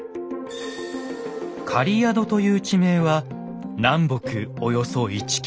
狩宿という地名は南北およそ１キロ以上。